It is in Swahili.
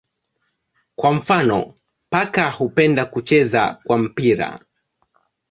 Kwa mfano paka hupenda kucheza kwa mpira.